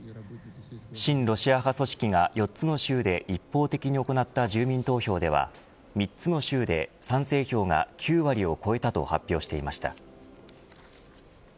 親ロシア派組織が４つの州で一方的に行った住民投票では３つの州で賛成票が９割を超えたと発表していました。